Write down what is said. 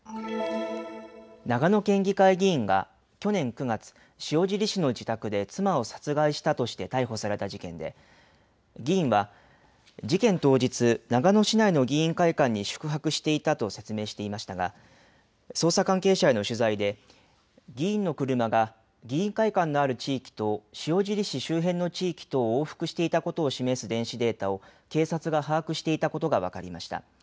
長野県議会議員が去年９月、塩尻市の自宅で妻を殺害したとして逮捕された事件で議員は事件当日、長野市内の議員会館に宿泊していたと説明していましたが捜査関係者への取材で議員の車が議員会館のある地域と塩尻市周辺の地域と往復していたことを示す電子データを警察が把握していたことが分かりました。